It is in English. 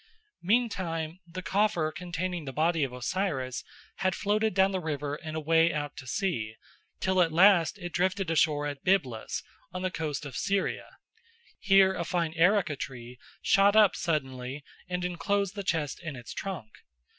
Meantime the coffer containing the body of Osiris had floated down the river and away out to sea, till at last it drifted ashore at Byblus, on the coast of Syria. Here a fine erica tree shot up suddenly and enclosed the chest in its trunk.